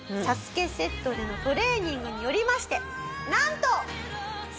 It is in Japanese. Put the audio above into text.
セットでのトレーニングによりましてなんと！